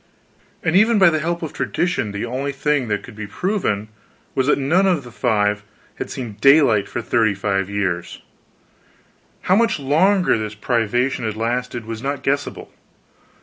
And even by the help of tradition the only thing that could be proven was that none of the five had seen daylight for thirty five years: how much longer this privation has lasted was not guessable.